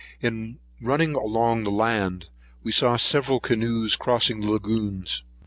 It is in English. In running along the land, we saw several canoes crossing the lagoons.